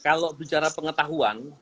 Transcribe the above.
kalau bicara pengetahuan